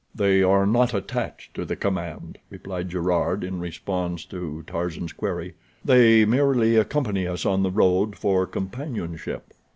"They are not attached to the command," replied Gerard in response to Tarzan's query. "They merely accompany us on the road for companionship."